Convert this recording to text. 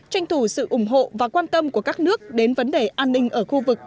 tranh thủ sự ủng hộ và quan tâm của các nước đến vấn đề an ninh ở khu vực